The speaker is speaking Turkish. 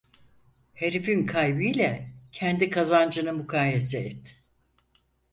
Herifin kaybı ile kendi kazancını mukayese et!